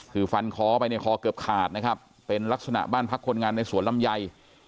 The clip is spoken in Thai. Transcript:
คือฟันคอไปเนี่ยคอเกือบขาดนะครับเป็นลักษณะบ้านพักคนงานในสวนลำไย